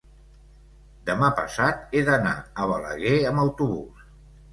demà passat he d'anar a Balaguer amb autobús.